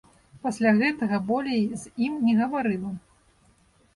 Пасля гэтага болей з ім не гаварыла.